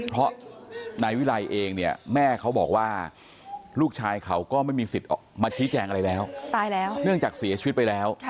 เพราะนายวิรัยเองแม่เขาบอกว่าลูกชายเขาก็ไม่มีสิทธิ์มาชี้แจงอะไรแล้ว